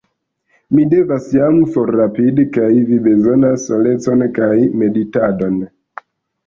Mi devas jam forrapidi; kaj vi bezonas solecon kaj meditadon.